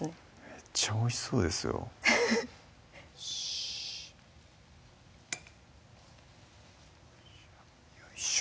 めっちゃおいしそうですよよいしょ